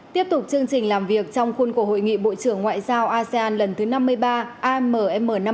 tiếp tục chương trình làm việc trong khuôn của hội nghị bộ trưởng ngoại giao asean lần thứ năm mươi ba am